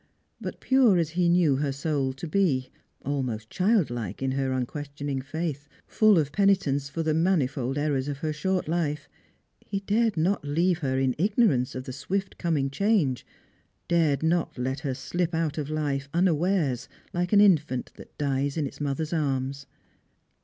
But pure as he knew her soul to be, almost thikllike in her unquestioning faith, full of penitence for the Jianifold errors of her short life, he dared not leave her in igno mnce of the swift coming change; dared not let her slip out of life unawares like an infant that dies in its mother's arms.